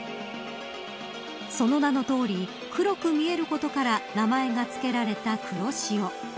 その名のとおり黒く見えることから名前が付けられた黒潮。